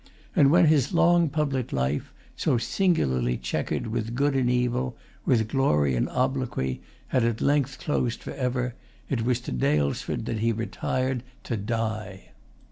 And when his long public life, so singularly checkered with good and evil, with glory and obloquy, had at length closed forever, it was to Daylesford that he retired to die.